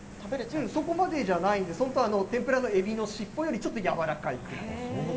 そこまでじゃないんで、本当、天ぷらのエビの尻尾よりちょっと柔らかいぐらい。